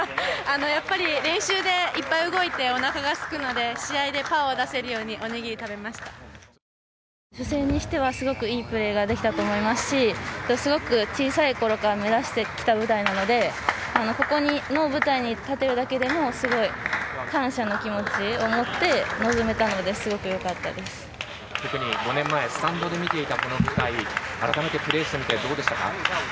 やっぱり練習でいっぱい動いておなかがすくので、試合でパワーを出せるように、初戦にしてはすごくいいプレーができたと思いますし、すごく小さいころから目指してきた舞台なので、ここの舞台に立てるだけでも、すごい感謝の気持ちを持って臨めたので、特に５年前、スタンドで見ていたこの舞台、改めてプレーしてみてどうでしたか？